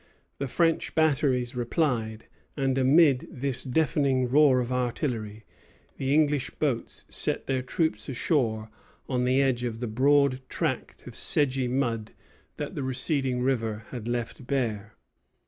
The French batteries replied; and, amid this deafening roar of artillery, the English boats set their troops ashore at the edge of the broad tract of sedgy mud that the receding river had left bare.